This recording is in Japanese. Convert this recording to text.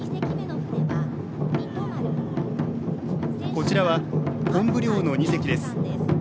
こちらはコンブ漁の２隻です。